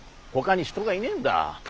ほかに人がいねえんだ。